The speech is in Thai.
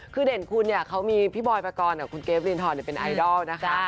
คือเด่นคุณเนี่ยเขามีพี่บอยปกรณ์กับคุณเกฟรินทรเป็นไอดอลนะคะ